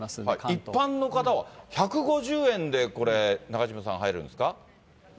一般の方は１５０円で、これ、中島さん、入れるんですか？